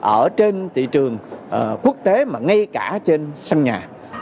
ở trên thị trường quốc tế mà ngay cả trên sân nhà